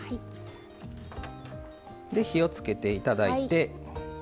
火をつけていただいて。